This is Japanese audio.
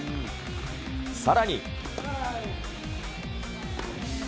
さらに。